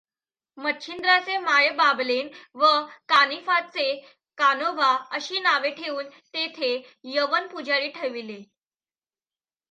मच्छिंद्राचें मायाबाबलेन व कानिफाचें कान्होबा अशी नांवें ठेवून तेथें यवन पुजारी ठेविले.